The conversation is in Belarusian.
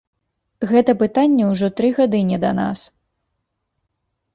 Гэта пытанне ўжо тры гады не да нас.